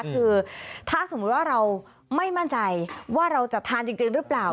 คือถ้าสมมุติว่าเราไม่มั่นใจว่าเราจะทานจริงหรือเปล่า